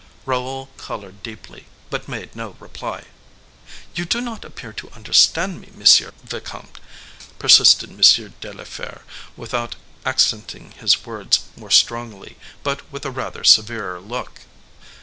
Raoul colored deeply, but made no reply. "You do not appear to understand me, monsieur le vicomte," persisted M. de la Fere, without accenting his words more strongly, but with a rather severer look.